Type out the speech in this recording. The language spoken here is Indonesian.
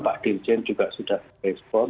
pak dirjen juga sudah respon